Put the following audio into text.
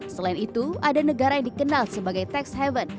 selain itu ada negara yang dikenal sebagai tax haven